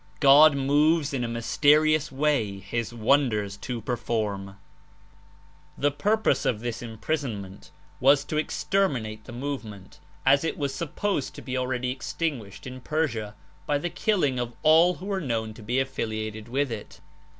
"God moves in a mysterious way his wonders to perform !" The purpose of this Imprisonment was to exter minate the movement, as it was supposed to be already extinguished in Persia by the killing of all who were •known to be affiliated with it.